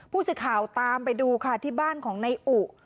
ผู้สิทธิ์ข่าวตามไปดูค่ะที่บ้านของในอุ